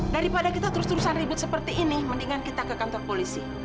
daripada kita terus terusan ribut seperti ini mendingan kita ke kantor polisi